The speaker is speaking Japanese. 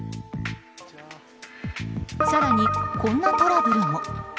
更に、こんなトラブルも。